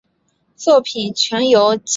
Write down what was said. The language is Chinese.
作品全由集英社发行。